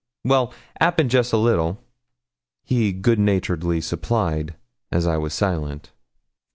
Well, 'appen, jest a little,' he good naturedly supplied, as I was silent.